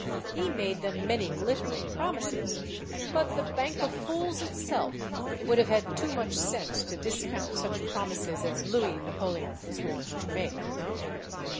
He made them many glittering promises. But the Bank of Fools itself would have had too much sense to dis count such promises as Louis Napoleon was wont to make.